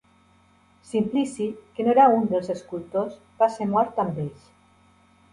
Simplici, que no era un dels escultors, va ser mort amb ells.